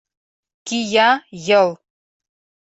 Кия йыл.